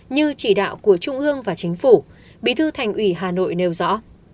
như chỉ đạo của trung ương và chính phủ bí thư thành ủy hà nội nêu rõ